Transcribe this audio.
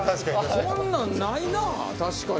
こんなんないな確かに。